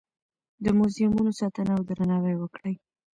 د موزیمونو ساتنه او درناوی وکړئ.